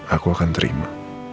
aku akan terima